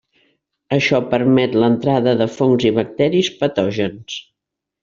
Això permet l'entrada de fongs i bacteris patògens.